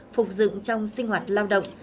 phục dựng trong sinh hoạt lao động